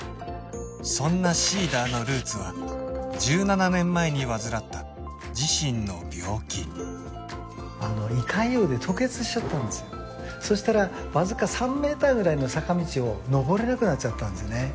そんなＳｅｅｄｅｒのルーツは１７年前に患った自身の病気あの胃潰瘍で吐血しちゃったんですよそしたらわずか３メーターぐらいの坂道を上れなくなっちゃったんですね